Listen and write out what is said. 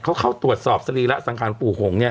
เขาเข้าตรวจสอบสรีระสังคัญหลวงปู่หงค์เนี่ย